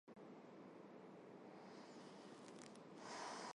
Տիտրաչափական եղանակները ոչ բոլոր դեպքերում են նույնանում ծավալային եղանակների հետ։